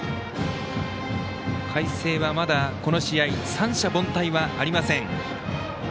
海星は、まだこの試合三者凡退はありません。